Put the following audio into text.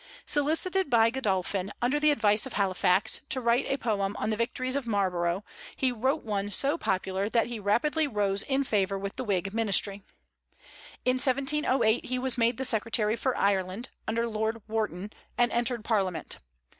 Solicited by Godolphin, under the advice of Halifax, to write a poem on the victories of Marlborough, he wrote one so popular that he rapidly rose in favor with the Whig ministry. In 1708 he was made secretary for Ireland, under Lord Wharton, and entered Parliament.